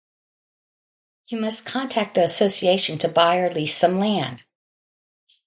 You must contact the association to buy or lease some land.